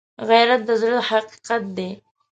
غیرت د زړه حقیقت دی